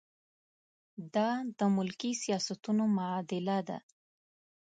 دا د ملکي سیاستونو معادله ده.